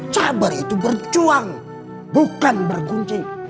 cabar itu berjuang bukan berguncing